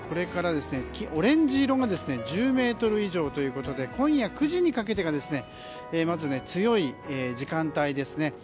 オレンジ色が１０メートル以上ということで今夜９時にかけてが強い時間帯ですね。